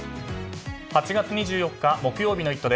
８月２４日木曜日の「イット！」